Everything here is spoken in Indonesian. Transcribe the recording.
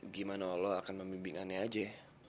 gimana allah akan membimbing ane aja